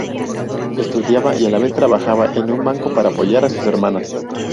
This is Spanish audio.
Estudiaba y a la vez trabajaba en un banco para apoyar a sus hermanas.